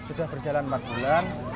sudah berjalan empat bulan